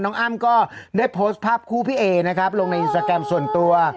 อ้ำก็ได้โพสต์ภาพคู่พี่เอนะครับลงในอินสตาแกรมส่วนตัว